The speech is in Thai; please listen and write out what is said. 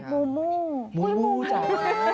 มูมูมูมูจัง